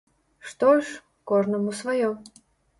Што ж, кожнаму сваё.